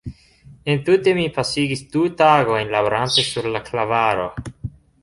Entute mi pasigis du tagojn laborante sur la klavaro.